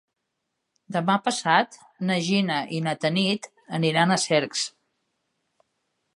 Demà passat na Gina i na Tanit aniran a Cercs.